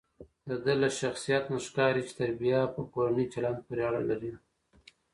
دده له شخصیت نه ښکاري چې تربیه په کورني چلند پورې اړه لري.